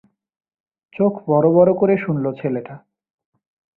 চোখ বড় বড় করে শুনল ছেলেটা।